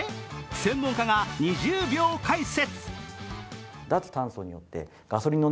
専門家が２０秒解説。